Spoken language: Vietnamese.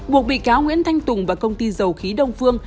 buộc bị cáo nguyễn thanh tùng và công ty dầu khí đông phương